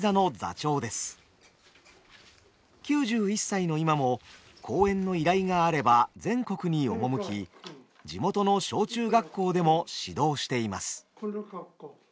９１歳の今も公演の依頼があれば全国に赴き地元の小中学校でも指導しています。